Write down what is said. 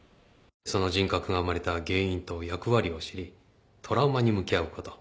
その人格が生まれた原因と役割を知りトラウマに向き合うこと